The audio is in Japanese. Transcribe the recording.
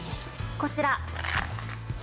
こちら。